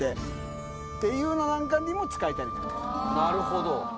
なるほど。